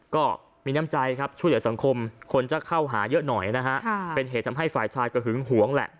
ก็มีน้ำใจครับช่วยเหลือสังคมคนจะเข้าหาเยอะหน่อยนะฮะเป็นเหตุทำให้ฝ่ายชายก็หึงหวงแหละ